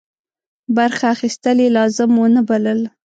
برخه اخیستل یې لازم ونه بلل.